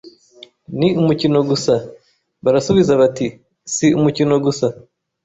“Ni umukino gusa!” Barasubiza bati si umukino gusa